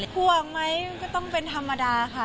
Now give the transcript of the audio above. ห่วงไหมก็ต้องเป็นธรรมดาค่ะ